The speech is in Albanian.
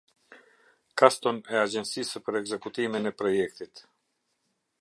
Kaston e Agjencisë për Ekzekutimin e Projektit.